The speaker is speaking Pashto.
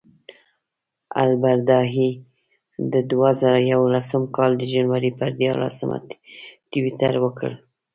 البرادعي د دوه زره یولسم کال د جنورۍ پر دیارلسمه ټویټر وکړ.